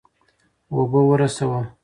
اوبه ورسوه.